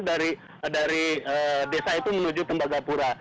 dari desa itu menuju tembagapura